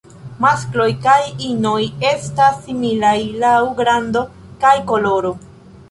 Maskloj kaj inoj estas similaj laŭ grando kaj koloro.